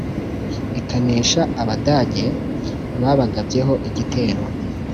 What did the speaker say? Ikanesha Abadage babagabyeho igitero